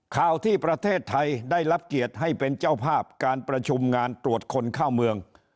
ข่าวที่ประเทศไทยได้รับเกียรติให้เป็นเจ้าภาพการประชุมงานตรวจคนเข้าเมือง